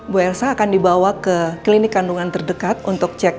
bu elsa akan dibawa ke klinik kandungan terdekat untuk cek